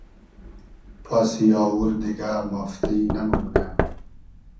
پاسی آوور دیگۂ مافتی نئمومنۂ